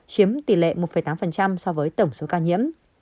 chiếm tỷ lệ một tám so với tổng số ca nhiễm